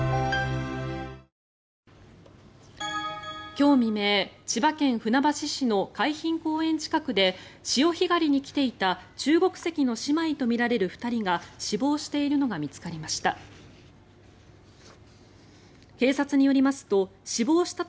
今日未明千葉県船橋市の海浜公園近くで潮干狩りに来ていた中国籍の姉妹とみられる２人が死亡しているのが見つかりました。